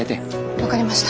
分かりました。